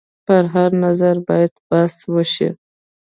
پر هر نظر باید بحث وشي.